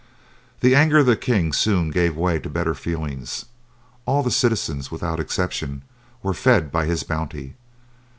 The anger of the king soon gave way to better feelings; all the citizens, without exception, were fed by his bounty.